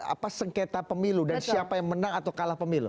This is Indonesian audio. apa sengketa pemilu dan siapa yang menang atau kalah pemilu